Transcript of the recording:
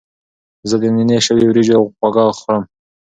زه د نینې شوي وریجو خواږه خوړم.